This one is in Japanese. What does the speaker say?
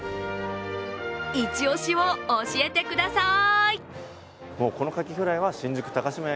一押しを教えてください！